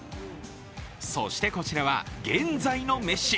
そして、こちらは現在のメッシ。